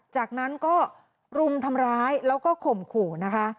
จากนั้นก็รุมทำร้ายแล้วก็ข่มขู่นะคะ